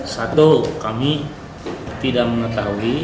satu kami tidak mengetahui